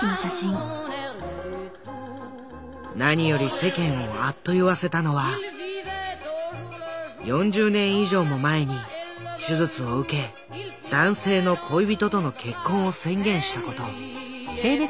何より世間をあっと言わせたのは４０年以上も前に手術を受け男性の恋人との結婚を宣言した事。